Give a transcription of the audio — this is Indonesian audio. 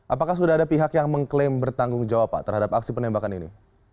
apakah sudah ada pihak yang mengklaim bertanggung jawab pak terhadap aksi penembakan ini